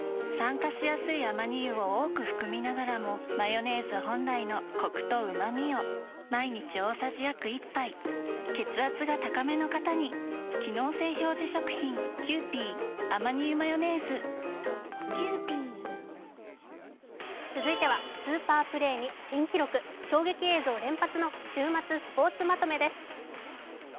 酸化しやすいアマニ油を多く含みながらもマヨネーズ本来のコクとうまみを毎日大さじ約１杯血圧が高めの方に機能性表示食品続いては、スーパープレーに新記録、衝撃映像連発の週末スポーツまとめです。